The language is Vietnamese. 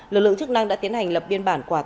lực lượng chức năng đã tiến hành lập biên bản quả tăng